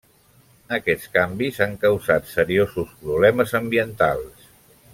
Aquests canvis han causat seriosos problemes ambientals.